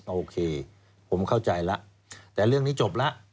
โอเคผมเข้าใจแล้วแต่เรื่องนี้จบแล้ว